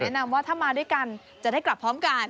แนะนำว่าถ้ามาด้วยกันจะได้กลับพร้อมกัน